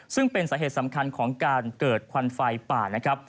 ซึ่งเป็นสาเหตุสำคัญของการเกิดควันไฟป่านะครับ